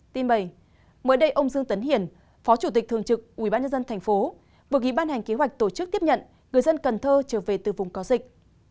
tin bày mới đây ông dương tấn hiển phó chủ tịch thường trực ubnd tp vừa ký ban hành kế hoạch tổ chức tiếp nhận người dân cần thơ trở về từ vùng có dịch